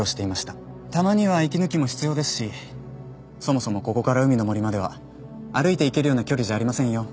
たまには息抜きも必要ですしそもそもここから海の森までは歩いていけるような距離じゃありませんよ。